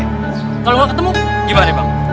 kalau nggak ketemu gimana bang